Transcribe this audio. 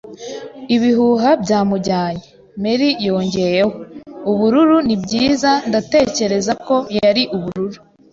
ibihuha byamujyanye. ”Merry yongeyeho. “Ubururu! Nibyiza, ndatekereza ko yari ubururu.